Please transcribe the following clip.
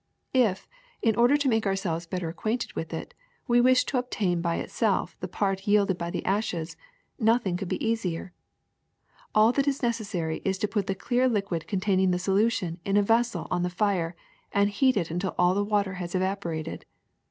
If, in order to make ourselves better acquainted with it, we wish to obtain by itself the part yielded by the ashes, nothing could be easier. All that is necessary is to put the clear liquid containing the solution in a vessel on the fire and heat it until all the water has evaporated.